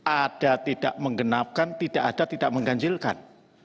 ada tidak menggenapkan tidak ada tidak mengganjilkan